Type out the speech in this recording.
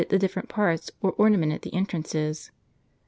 Ka'S<K»^^ the different parts or ornamented the entrances.